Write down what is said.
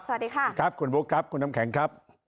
สวัสดีค่ะสวัสดีครับคุณบุ๊คครับคุณน้ำแข็งครับ